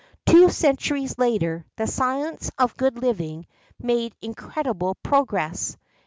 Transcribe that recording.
Two centuries later the science of good living made incredible progress.